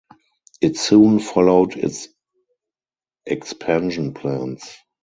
It soon followed its expansion plans.